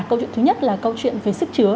câu chuyện thứ nhất là câu chuyện về sức chứa